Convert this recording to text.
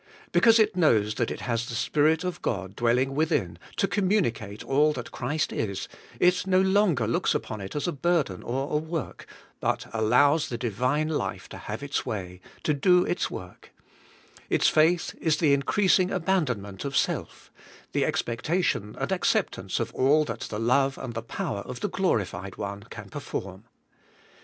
Because it knows that it has the Spirit of God dwelling within to communicate all that Christ is, it no longer looks upon it as a burden or a work, but allows the Divine life to have its way, to do its work ; its faith is the increasing abandonment of self, the expectation and acceptance of all that the love and the power of the Glorified One can perform.